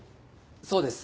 そうです。